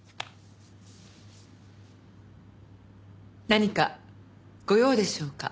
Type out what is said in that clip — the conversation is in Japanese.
何かご用でしょうか？